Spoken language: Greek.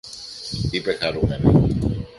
είπε χαρούμενη